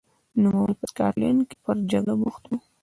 نوموړی په سکاټلند کې پر جګړه بوخت و.